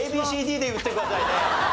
ＡＢＣＤで言ってくださいね。